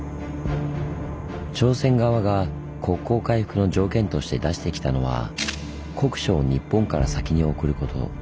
朝鮮側が国交回復の条件として出してきたのは「国書を日本から先に送ること」。